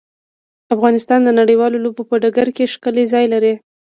افغانستان د نړیوالو لوبو په ډګر کې ښکلی ځای لري.